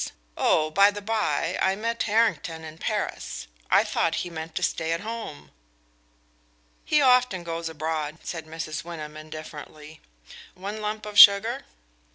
Oh, by the bye, I met Harrington in Paris; I thought he meant to stay at home." "He often goes abroad," said Mrs. Wyndham indifferently. "One lump of sugar?"